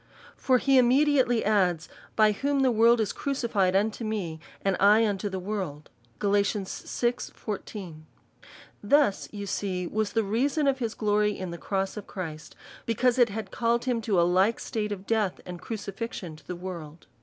For he immediately adds, 63/ ty/iom the world is crucified unto me, and I unto the •world. Gal. vi. 14. This you see was the reason of his glorying in the cross of Christ, because he had called him to a like state of death and crucifixion to the world.